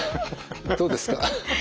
どうですか？